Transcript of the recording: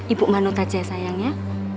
ibu manut saja sayangnya